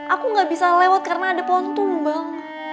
aku gak bisa lewat karena ada pontumbang